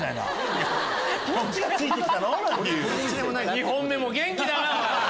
２本目も元気だな！